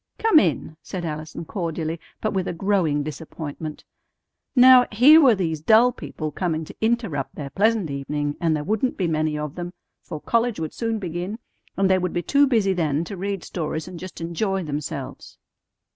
"Come in," said Allison cordially, but with a growing disappointment. Now, here were these dull people coming to interrupt their pleasant evening, and there wouldn't be many of them, for college would soon begin, and they would be too busy then to read stories and just enjoy themselves.